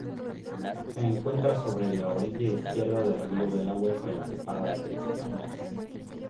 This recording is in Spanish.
Se encuentra sobre la orilla izquierda del río Delaware, que la separa de Pensilvania.